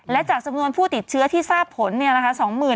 และจากจำนวนผู้ติดเชื้อที่ทราบผลเนี่ยนะคะ